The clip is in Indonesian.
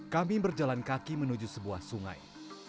kambing berjalan kaki menuju sebuah sungai